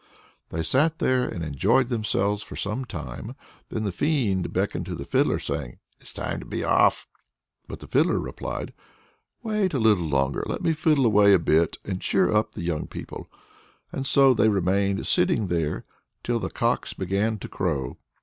They sat there and enjoyed themselves for some time. Then the fiend beckoned to the Fiddler, saying, "It's time to be off!" But the Fiddler replied: "Wait a little longer! Let me fiddle away a bit and cheer up the young people." And so they remained sitting there till the cocks began to crow.